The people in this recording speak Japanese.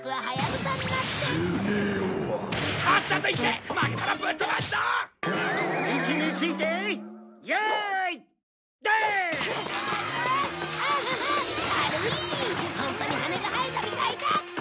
ホントに羽が生えたみたいだ！